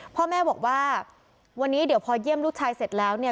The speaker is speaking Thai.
พ่อแม่บอกว่าวันนี้เดี๋ยวพอเยี่ยมลูกชายเสร็จแล้วเนี่ย